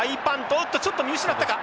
おっとちょっと見失ったか。